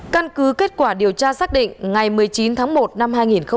căn cứ kết quả điều tra xác định ngày một mươi chín tháng một năm hai nghìn hai mươi